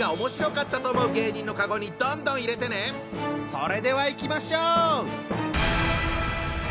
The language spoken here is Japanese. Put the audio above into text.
それではいきましょう！